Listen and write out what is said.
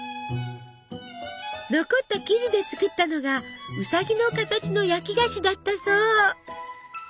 残った生地で作ったのがウサギの形の焼き菓子だったそう。